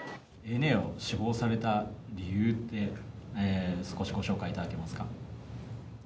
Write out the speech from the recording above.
ＡＮＡを志望された理由って、少しご紹介いただけますか？